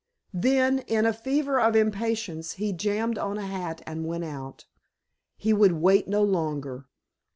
Then, in a fever of impatience, he jammed on a hat and went out. He would wait no longer.